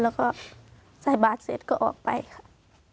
แล้วก็ใส่บาทเสร็จก็ออกไปค่ะ